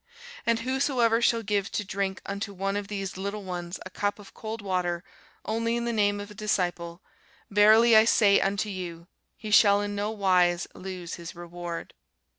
And whosoever shall give to drink unto one of these little ones a cup of cold water only in the name of a disciple, verily I say unto you, he shall in no wise lose his reward.